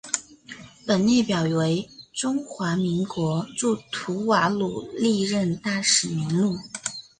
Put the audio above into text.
本列表为中华民国驻吐瓦鲁历任大使名录。